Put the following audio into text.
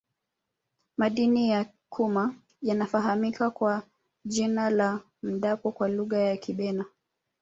madini ya cuma yanafahamika kwa jina la mdapo kwa lugha ya kibena